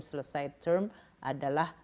selesai term adalah